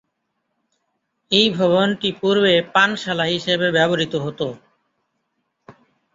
এই ভবনটি পূর্বে পানশালা হিসেবে ব্যবহৃত হত।